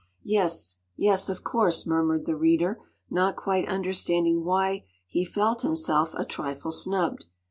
“Yes, yes, of course!” murmured the Reader, not quite understanding why he felt himself a trifle snubbed.